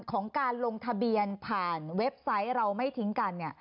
ของการลงทะเบียนผ่านเว็บไซต์เราไม่ทิ้งกันเนี่ย